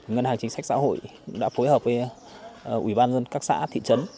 ngân hàng chính sách xã hội đã phối hợp với ủy ban dân các xã thị trấn